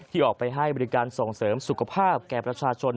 ที่ออกไปให้บริการส่งเสริมสุขภาพแก่ประชาชน